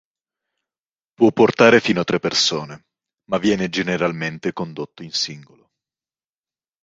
Può portare fino a tre persone ma viene generalmente condotta in singolo.